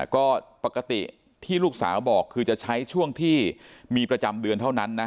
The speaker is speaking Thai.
ก็ปกติที่ลูกสาวบอกคือจะใช้ช่วงที่มีประจำเดือนเท่านั้นนะ